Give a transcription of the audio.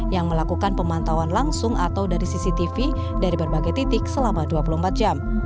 yang melakukan pemantauan langsung atau dari cctv dari berbagai titik selama dua puluh empat jam